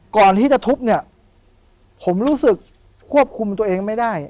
ก่อนที่จะทุบเนี่ยผมรู้สึกควบคุมตัวเองไม่ได้